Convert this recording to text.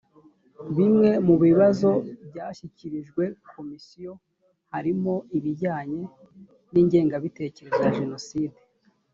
bimwe mu bibazo byashyikirijwe komisiyo harimo ibijyanye n ingengabitekerezo ya jenoside